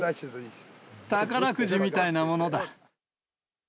宝くじみたいなものだ。